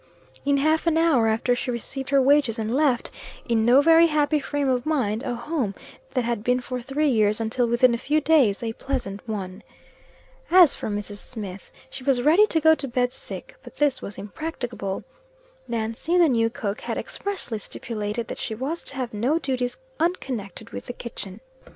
In half an hour after she received her wages, and left, in no very happy frame of mind, a home that had been for three years, until within a few days, a pleasant one. As for Mrs. Smith, she was ready to go to bed sick; but this was impracticable. Nancy, the new cook, had expressly stipulated that she was to have no duties unconnected with the kitchen.